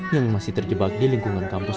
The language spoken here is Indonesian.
yang masih terjebak di lingkungan kampus